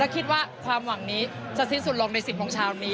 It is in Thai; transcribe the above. คิดว่าความหวังนี้จะสิ้นสุดลงใน๑๐โมงเช้านี้